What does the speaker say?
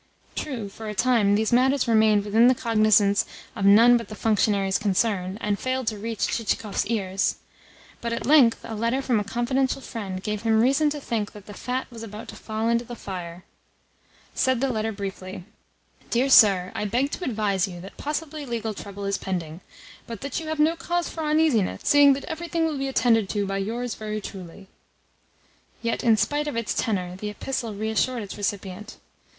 True, for a time these matters remained within the cognisance of none but the functionaries concerned, and failed to reach Chichikov's ears; but at length a letter from a confidential friend gave him reason to think that the fat was about to fall into the fire. Said the letter briefly: "Dear sir, I beg to advise you that possibly legal trouble is pending, but that you have no cause for uneasiness, seeing that everything will be attended to by yours very truly." Yet, in spite of its tenor, the epistle reassured its recipient.